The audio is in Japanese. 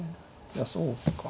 いやそうか。